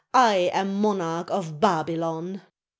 I am monarch of Babylon."